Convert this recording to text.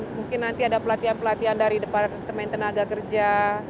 mungkin nanti ada pelatihan pelatihan dari departemen tenaga kerja